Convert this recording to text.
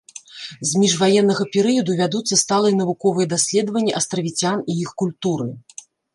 З міжваеннага перыяду вядуцца сталыя навуковыя даследаванні астравіцян і іх культуры.